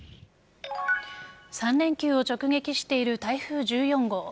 ３連休を直撃している台風１４号。